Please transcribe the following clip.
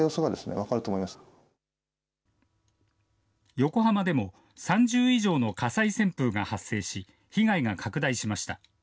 横浜でも、３０以上の火災旋風が発生し、被害が拡大しました。